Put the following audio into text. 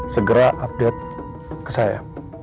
segera update ke saya